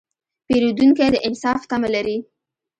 پیرودونکی د انصاف تمه لري.